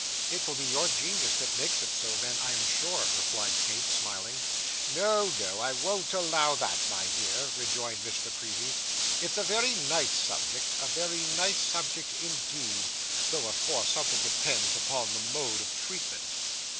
'It will be your genius that makes it so, then, I am sure,' replied Kate, smiling. 'No, no, I won't allow that, my dear,' rejoined Miss La Creevy. 'It's a very nice subject a very nice subject, indeed though, of course, something depends upon the mode of treatment.